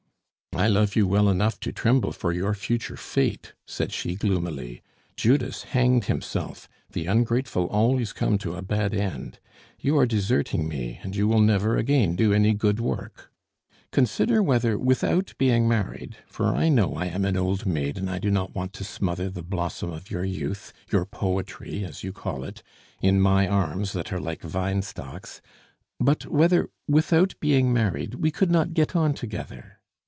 "I love you well enough to tremble for your future fate," said she gloomily. "Judas hanged himself the ungrateful always come to a bad end! You are deserting me, and you will never again do any good work. Consider whether, without being married for I know I am an old maid, and I do not want to smother the blossom of your youth, your poetry, as you call it, in my arms, that are like vine stocks but whether, without being married, we could not get on together?